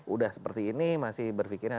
udah seperti ini masih berpikirnya